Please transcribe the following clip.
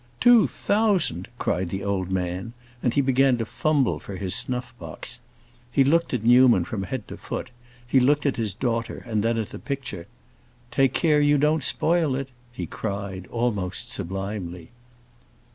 "Two thousand!" cried the old man, and he began to fumble for his snuff box. He looked at Newman from head to foot; he looked at his daughter and then at the picture. "Take care you don't spoil it!" he cried almost sublimely.